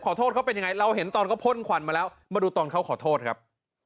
ขอโทษเขาเป็นยังไงเราเห็นตอนเขาพ่นควันมาแล้วมาดูตอนเขาขอโทษครับ